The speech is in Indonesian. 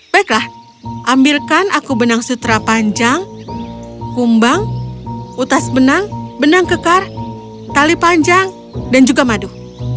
baiklah ambilkan aku benang sutra panjang kumbang utas benang benang kekar tali panjang dan juga madu